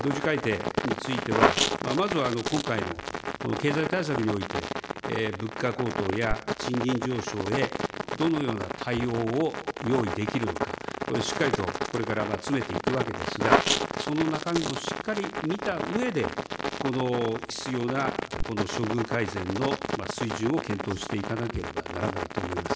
同時改定については、まずは今回の経済対策において物価高騰や賃金上昇へどのような対応を用意できるのか、しっかりとこれから詰めていくわけですが、その中身もしっかり見たうえで、この必要な処遇改善の水準を検討していかなければならないと思います。